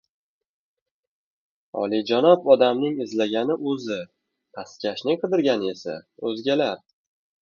— Oliyjanob odamning izlagani – o‘zi, pastkashning qidirgani esa o‘zgalar.